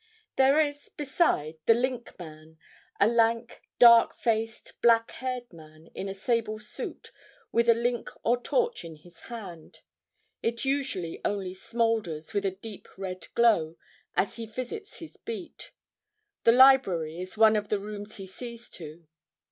There is, beside, the 'link man', a lank, dark faced, black haired man, in a sable suit, with a link or torch in his hand. It usually only smoulders, with a deep red glow, as he visits his beat. The library is one of the rooms he sees to.